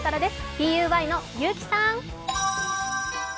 ＴＵＹの結城さん。